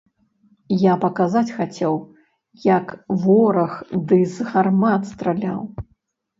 Я паказаць хацеў, як вораг ды з гармат страляў.